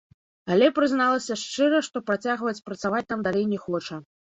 Але прызналася шчыра, што працягваць працаваць там далей не хоча.